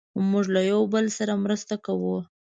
موږ له یو بل سره مرسته کوو.